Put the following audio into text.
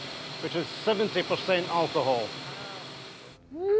うん！